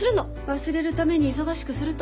忘れるために忙しくすると。